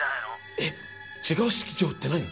え違う式場って何！？